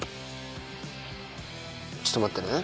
ちょっと待ってね。